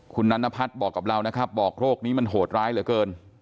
คุณนันนพัฒน์บอกกับเรานะครับบอกโรคนี้มันโหดร้ายเหลือเกิน